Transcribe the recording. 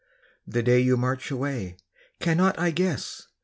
The day you march away cannot I guess?